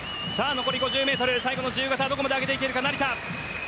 残り５０ｍ最後の自由形どこまで上げていけるか、成田。